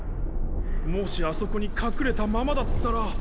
もしあそこにかくれたままだったら。